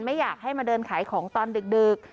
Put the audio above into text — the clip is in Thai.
ไม่อยากให้มาเดินขายของตอนดึก